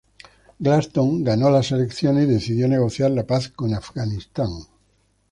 Gladstone ganó las elecciones y decidió negociar la paz con Afganistán.